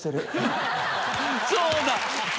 「そうだ！」